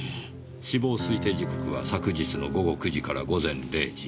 死亡推定時刻は昨日の午後９時から午前０時。